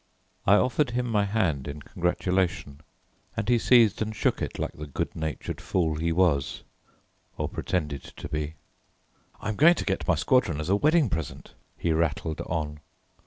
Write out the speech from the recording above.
I offered him my hand in congratulation, and he seized and shook it like the good natured fool he was or pretended to be. "I am going to get my squadron as a wedding present," he rattled on.